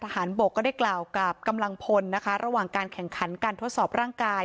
บกก็ได้กล่าวกับกำลังพลนะคะระหว่างการแข่งขันการทดสอบร่างกาย